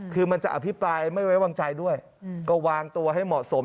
คือมันจะอภิปรายไม่ไว้วางใจด้วยก็วางตัวให้เหมาะสม